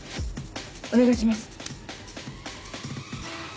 お願いします。